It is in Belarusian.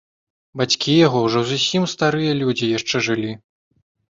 Бацькі яго, ужо зусім старыя людзі, яшчэ жылі.